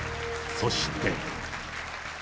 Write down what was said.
そして。